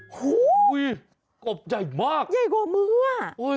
โอ้โหกบใหญ่มากยังกว่ามือ